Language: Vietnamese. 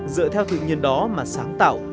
dựa theo tự nhiên đó mà sáng tạo